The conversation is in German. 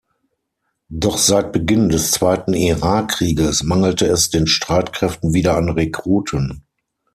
Doch seit Beginn des zweiten Irak-Krieges mangelte es den Streitkräften wieder an Rekruten.